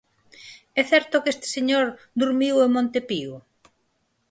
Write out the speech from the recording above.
É certo que este señor durmiu en Monte Pío?